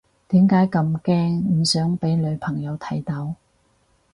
點解咁驚唔想俾女朋友睇到？